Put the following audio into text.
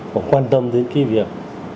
của quan tâm đến cái việc